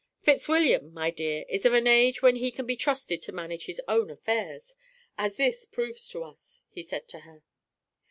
"Fitzwilliam, my dear, is of an age when he can be trusted to manage his own affairs, as this proves to us," he said to her.